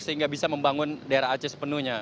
sehingga bisa membangun daerah aceh sepenuhnya